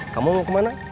kamu mau kemana